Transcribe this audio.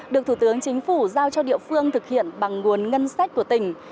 được thủ tướng chính phủ giao cho địa phương thực hiện bằng nguồn ngân sách của tỉnh